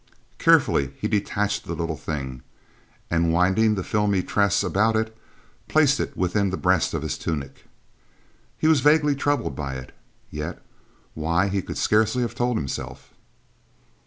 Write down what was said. Carefully he detached the little thing, and, winding the filmy tress about it, placed it within the breast of his tunic. He was vaguely troubled by it, yet why he could scarcely have told, himself.